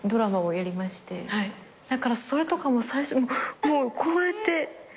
だからそれとかも最初もうこうやって。